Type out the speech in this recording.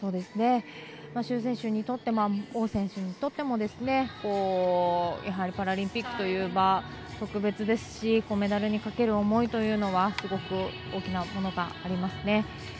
朱選手にとっても王選手にとってもパラリンピックという場は特別ですしメダルにかける思いというのはすごく大きなものがありますね。